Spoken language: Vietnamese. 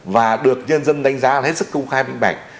và được nhân dân đánh giá hết sức công khai bình bạch